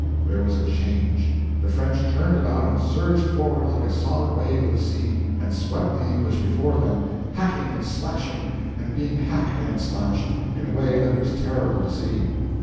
there was a change; the French turned about and surged forward like a solid wave of the sea, and swept the English before them, hacking and slashing, and being hacked and slashed, in a way that was terrible to see.